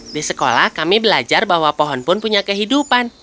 di sekolah kami belajar bahwa pohon pun punya kehidupan